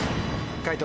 解答